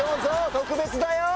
特別だよ。